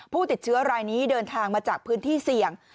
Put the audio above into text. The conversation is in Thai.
ผู้ติดเชื้อรายนี้เดินทางมาจากพื้นที่เสี่ยง